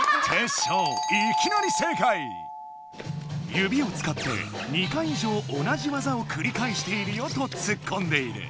ゆびをつかって２回以上同じ技をくりかえしているよとツッコんでいる。